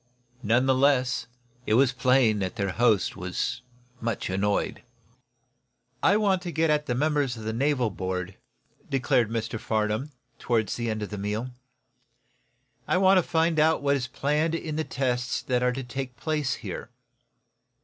None the less, it was plain that their host was much annoyed. "I want to get at the members of the naval board," declared Mr. Farnum, toward the end of the meal. "I want to find out what is planned in the tests that are to take place here."